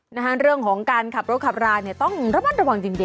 เรื่องของการขับรถขับราเนี่ยต้องระมัดระวังจริง